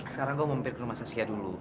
sekarang gue mau mampir ke rumah sasia dulu